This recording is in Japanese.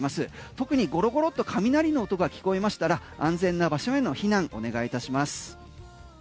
特にゴロゴロと雷の音が聞こえましたら安全な場所への避難お願いいたします。